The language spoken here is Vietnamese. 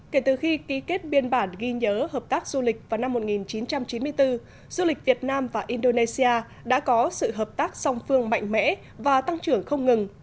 kể từ khi ký kết biên bản ghi nhớ hợp tác du lịch vào năm một nghìn chín trăm chín mươi bốn du lịch việt nam và indonesia đã có sự hợp tác song phương mạnh mẽ và tăng trưởng không ngừng